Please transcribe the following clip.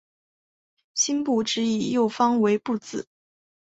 辛部只以右方为部字。